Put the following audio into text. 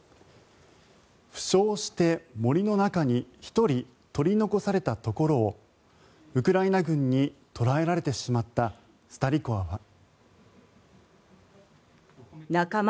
負傷して、森の中に１人取り残されたところをウクライナ軍に捕らえられてしまったスタリコワは。